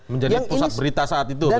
menjadi pusat berita saat itu